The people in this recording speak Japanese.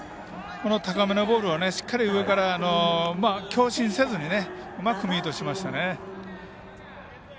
この高めのボールをしっかり上から強振せずにうまくミートしましたね。